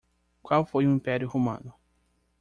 Qual foi o império romano?